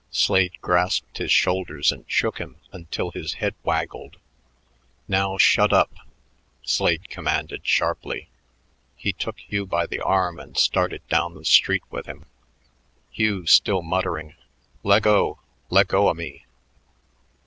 Slade grasped his shoulders and shook him until his head waggled. "Now, shut up!" Slade commanded sharply. He took Hugh by the arm and started down the street with him, Hugh still muttering, "Leggo, leggo o' me."